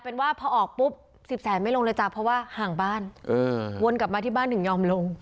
เป็นว่าพอออกปุ๊บสิบแสนไม่ลงเลยจ้ะเพราะว่าห่างบ้านวนกลับมาที่บ้านถึงยอมลง